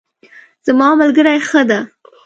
زما ملګری ښه ده